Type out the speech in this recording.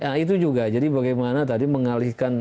nah itu juga jadi bagaimana tadi mengalihkan